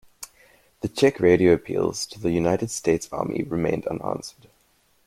The Czech radio appeals to the United States Army remained unanswered.